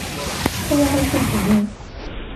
渐渐恢复体力